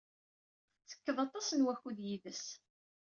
Tettekkeḍ aṭas n wakud yid-s.